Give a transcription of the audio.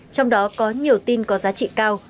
trong đó có nhiều tin có giá trị cao